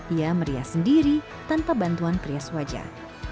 ia merias sendiri tanpa bantuan perias wajah